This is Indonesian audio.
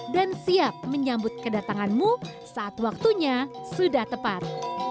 dan siap menyambut kedatanganmu saat waktunya sudah tepat